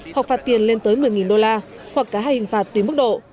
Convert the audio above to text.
hoặc phạt tiền lên tới một mươi đô la hoặc cả hai hình phạt tùy mức độ